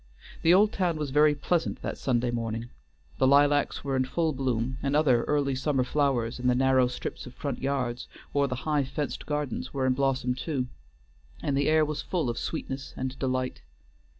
The old town was very pleasant that Sunday morning. The lilacs were in full bloom, and other early summer flowers in the narrow strips of front yards or the high fenced gardens were in blossom too, and the air was full of sweetness and delight.